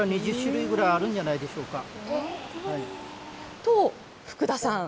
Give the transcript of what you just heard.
と、福田さん。